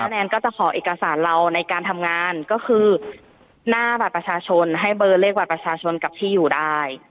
แนนก็จะขอเอกสารเราในการทำงานก็คือหน้าบัตรประชาชนให้เบอร์เลขบัตรประชาชนกับที่อยู่ได้